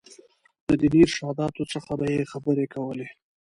له ديني ارشاداتو څخه به یې خبرې کولې.